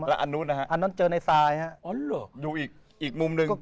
ยังอีกมุมนึง